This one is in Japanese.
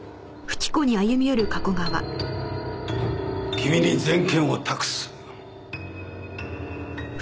君に全権を託す。